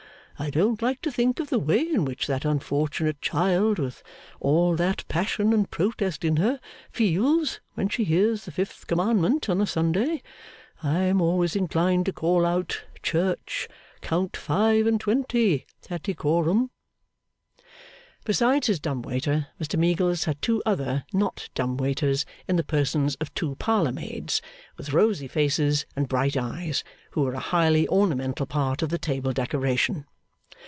I don't like to think of the way in which that unfortunate child, with all that passion and protest in her, feels when she hears the Fifth Commandment on a Sunday. I am always inclined to call out, Church, Count five and twenty, Tattycoram.' Besides his dumb waiter, Mr Meagles had two other not dumb waiters in the persons of two parlour maids with rosy faces and bright eyes, who were a highly ornamental part of the table decoration.